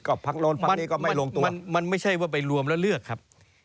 พักโน้นพักนี้ก็ไม่ลงตัวมันไม่ใช่ว่าไปรวมแล้วเลือกครับ